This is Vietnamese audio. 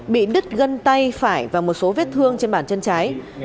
bị đứt gân tay phải và một số vết thương trên bàn chân trái